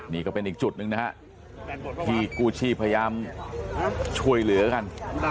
นี่ก็เป็นอีกจุดหนึ่งนะฮะที่กู้ชีพพยายามช่วยเหลือกัน